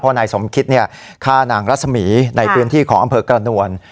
นายสมคิตฆ่านางรัศมีในพื้นที่ของอำเภอกระนวล